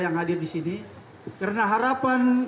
yang hadir disini karena harapan